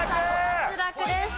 脱落です。